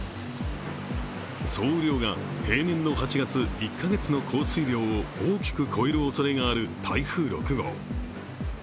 総雨量が平年の８月１か月の降水量を、大きく超えるおそれがある台風６号